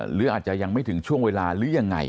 หรืออาจจะยังไม่ถึงช่วงเวลาหรือยังไง